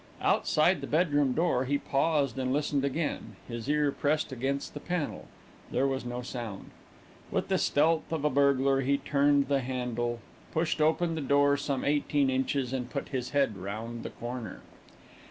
Outside the bedroom door he paused and listened again, his ear pressed against the panel. There was no sound. With the stealth of a burglar he turned the handle, pushed open the door some eighteen inches and put his head round the corner.